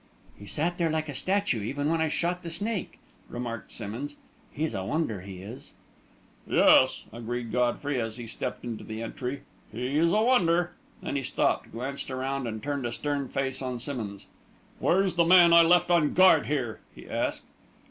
"He sat there like a statue, even when I shot the snake," remarked Simmonds. "He's a wonder, he is." "Yes," agreed Godfrey, as he stepped into the entry, "he's a wonder." Then he stopped, glanced around, and turned a stern face on Simmonds. "Where's the man I left on guard here?" he asked.